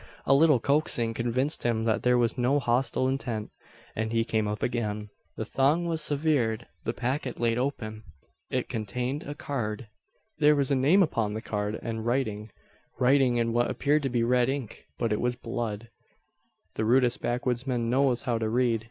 A little coaxing convinced him that there was no hostile intent; and he came up again. The thong was severed, the packet laid open; it contained a card! There was a name upon the card, and writing writing in what appeared to be red ink; but it was blood! The rudest backwoodsman knows how to read.